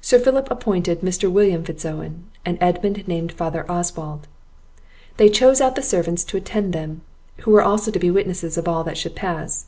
Sir Philip appointed Mr. William Fitz Owen, and Edmund named father Oswald; they chose out the servants to attend them, who were also to be witnesses of all that should pass.